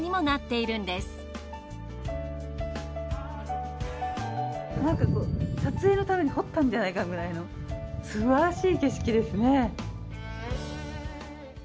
なんかこう撮影のために掘ったんじゃないかくらいのすばらしい景色ですね。